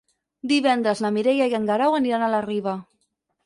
Divendres na Mireia i en Guerau aniran a la Riba.